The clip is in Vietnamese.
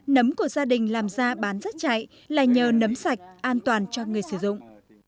nấm của gia đình làm ra bán rất chạy là nhờ nấm sạch an toàn cho người sử dụng